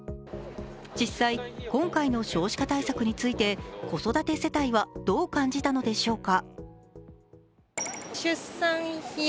実際、今回の少子化対策について子育て世帯はどう感じたのでしょうか？